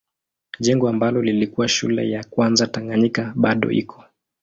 Jengo ambalo lilikuwa shule ya kwanza Tanganyika bado iko.